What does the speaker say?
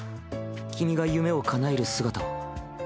君が夢をかなえる姿を。